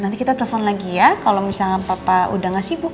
nanti kita telepon lagi ya kalau misalnya papa udah gak sibuk